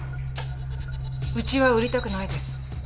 うちは売りたくないです。